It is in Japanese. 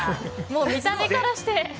もう見た目からして。